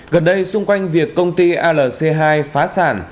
gần đây xung quanh việc công ty alc hai phá sản